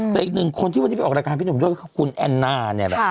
แต่อีกหนึ่งคนที่วันนี้ไปออกรายการพี่หนุ่มด้วยก็คือคุณแอนนาเนี่ยแหละ